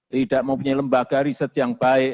tidak mempunyai lembaga riset yang baik